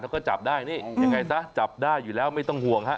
แล้วก็จับได้นี่ยังไงซะจับได้อยู่แล้วไม่ต้องห่วงฮะ